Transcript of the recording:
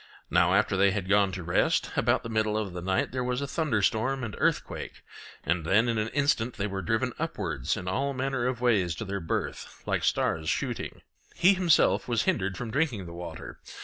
Now after they had gone to rest, about the middle of the night there was a thunderstorm and earthquake, and then in an instant they were driven upwards in all manner of ways to their birth, like stars shooting. He himself was hindered from drinking the water.